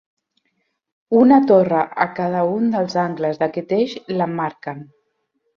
Una torre a cada un dels angles d'aquest eix l'emmarquen.